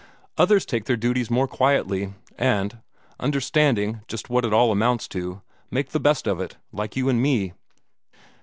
Others take their duties more quietly, and, understanding just what it all amounts to, make the best of it, like you and me."